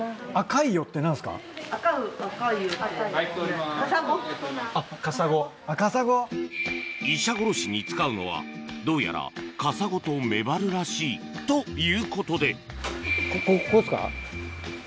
イシャゴロシに使うのはどうやらカサゴとメバルらしいということでここですか？